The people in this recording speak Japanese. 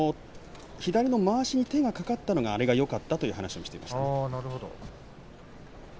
左のまわしに手が掛かったのがよかったという話をしていました。